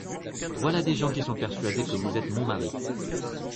Voilà des gens qui sont persuadés que vous êtes mon mari !